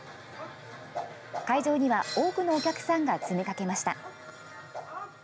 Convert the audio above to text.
会場には多くのお客さんが詰めかけました。